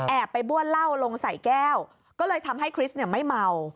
ไปบ้วนเหล้าลงใส่แก้วก็เลยทำให้คริสเนี่ยไม่เมา